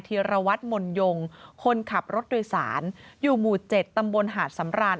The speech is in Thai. ธีรวัตรมนยงคนขับรถโดยสารอยู่หมู่๗ตำบลหาดสำราน